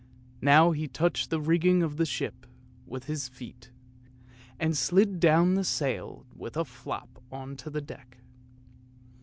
Now he touched the rigging of the ship with his feet, and slid down the sail with a flop on to the deck.